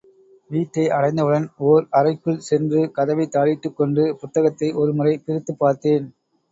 வீட்டை அடைந்தவுடன் ஓர் அறைக்குள் சென்று கதவைத் தாளிட்டுக்கொண்டு புத்தகத்தை ஒருமுறை பிரித்துப்பார்த்தேன்.